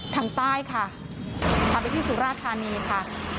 ทางใต้ค่ะพาไปที่สุราธานีค่ะ